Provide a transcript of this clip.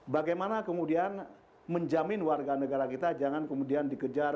bagaimana kemudian menjamin warga negara kita jangan kemudian dikejar